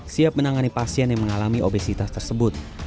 siap menangani pasien yang mengalami obesitas tersebut